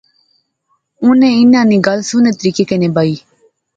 اُنی انیں نی گل سوہنے طریقے کنے بائی